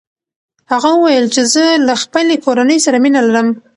هغه وویل چې زه له خپلې کورنۍ سره مینه لرم.